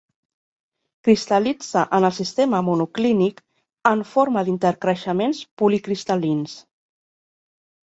Cristal·litza en el sistema monoclínic en forma d'intercreixements policristal·lins.